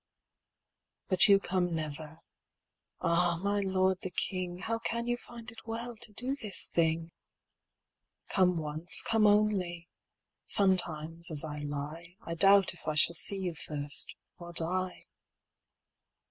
But you come never. Ah, my Lord the King, How can you find it well to do this thing? Come once, come only: sometimes, as I lie, I doubt if I shall see you first, or die.